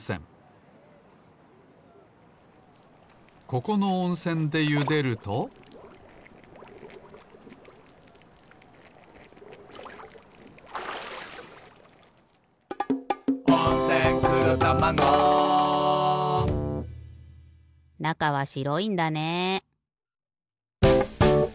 ここのおんせんでゆでると「温泉黒たまご」なかはしろいんだね。